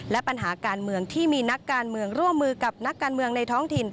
และปัญหาการเมืองที่มีนักการเมืองร่วมมือกับนักการเมืองในท้องถิ่น